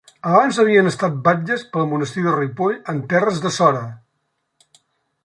Abans havien estat batlles pel monestir de Ripoll en terres de Sora.